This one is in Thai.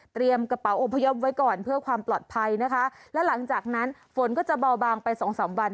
กระเป๋าอพยพไว้ก่อนเพื่อความปลอดภัยนะคะและหลังจากนั้นฝนก็จะเบาบางไปสองสามวัน